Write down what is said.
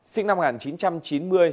sinh năm một nghìn chín trăm chín mươi